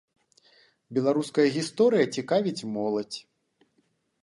Беларуская гісторыя цікавіць моладзь.